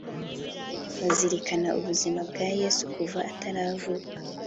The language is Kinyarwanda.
bazirikana ubuzima bwa yesu kuva ataravuka